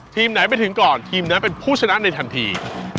ทีมไหนไปถึงก่อนทีมนั้นเป็นผู้ชนะในทันที